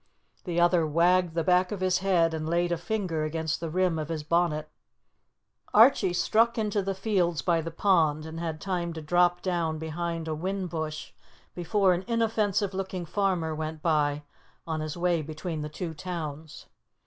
The other wagged the back of his head, and laid a finger against the rim of his bonnet. Archie struck into the fields by the pond, and had time to drop down behind a whin bush before an inoffensive looking farmer went by on his way between the two towns.